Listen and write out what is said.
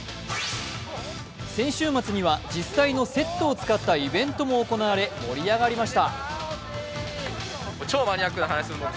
先週末には実際のセットを使ったイベントも行われ盛り上がりました。